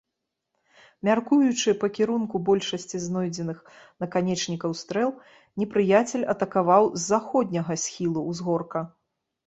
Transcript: Мяркуючы па кірунку большасці знойдзеных наканечнікаў стрэл, непрыяцель атакаваў з заходняга схілу ўзгорка.